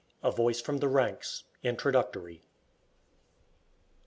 A VOICE FROM THE RANKS. INTRODUCTORY.